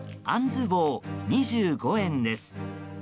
あんずボー、２５円です。